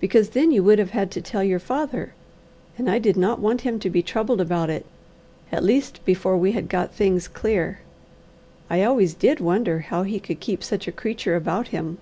"Because then you would have had to tell your father, and I did not want him to be troubled about it, at least before we had got things clear. I always did wonder how he could keep such a creature about him."